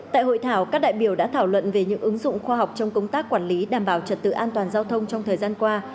tại hội thảo các đại biểu đã thảo luận về những ứng dụng khoa học trong công tác quản lý đảm bảo trật tự an toàn giao thông trong thời gian qua